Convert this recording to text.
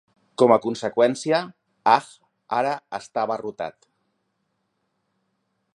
Com a conseqüència, Hajj ara està abarrotat.